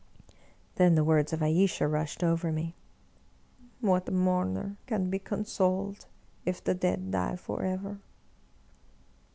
Then the words of Ayesha rushed over me: "What mourner can be consoled, if the dead die forever?''